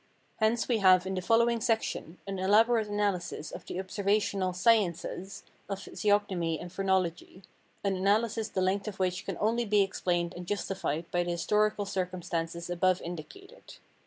Hence we have in tlie following section an elaborate analysis of the observational " sciences " of physiognomy and phrenology — an analysis the length of which can only be explained and justified by the historical circumstances above indicated.